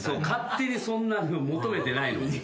勝手にそんなの求めてないの。